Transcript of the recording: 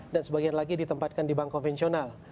dan sebagian lagi ditempatkan di bank konvensional